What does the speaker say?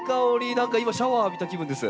何か今シャワーを浴びた気分です。